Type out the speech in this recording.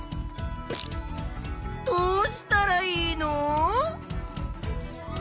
どうしたらいいの？